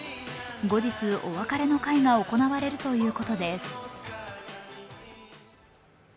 後日、お別れの会が行われるということです。